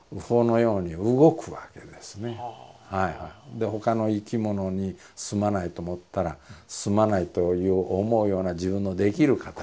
で他の生き物にすまないと思ったらすまないと思うような自分のできる形で。